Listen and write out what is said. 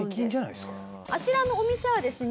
あちらのお店はですね